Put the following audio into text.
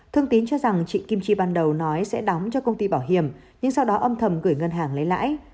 thương tín cho rằng chị kim chi ban đầu nói sẽ đóng cho công ty bảo hiểm nhưng sau đó âm thầm gửi ngân hàng lấy lãi